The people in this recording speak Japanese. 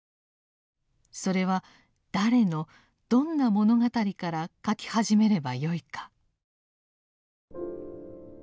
それは誰のどんな物語から書き始めればよいか。